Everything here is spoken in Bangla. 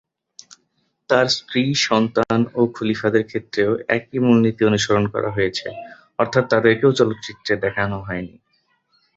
তার স্ত্রী, সন্তান ও খলিফাদের ক্ষেত্রেও এই একই মূলনীতি অনুসরণ করা হয়েছে, অর্থাৎ তাদেরকেও চলচ্চিত্রটিতে দেখানো হয়নি।